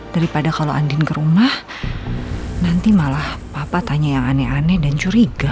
daripada kalau andin ke rumah nanti malah papa tanya yang aneh aneh dan curiga